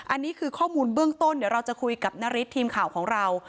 อันนี้คือข้อมูลเบื้องต้นเดี๋ยวเราจะคุยกับนฤทธิ์ทีมข่าวของเรา